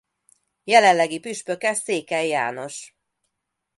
Jelenlegi püspöke Székely János.